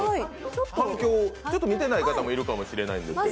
ちょっと今日、見てない方もいるかもしれないんで。